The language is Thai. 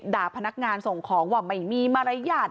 พนักงานส่งของว่าไม่มีมารยาท